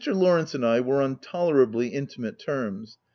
Lawrence and I were on tolerably intimate terms.